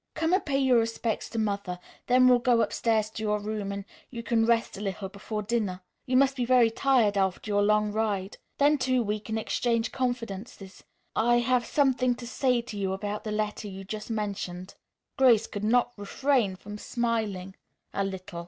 "Come and pay your respects to Mother, then we'll go upstairs to your room and you can rest a little before dinner. You must be very tired after your long ride. Then, too, we can exchange confidences. I have something to say to you about the letter you just mentioned." Grace could not refrain from smiling a little.